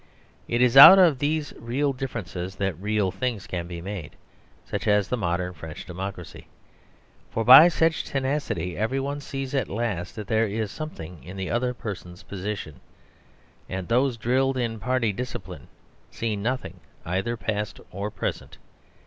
It is out of these real differences that real things can be made, such as the modern French democracy. For by such tenacity everyone sees at last that there is something in the other person's position. And those drilled in party discipline see nothing either past or present.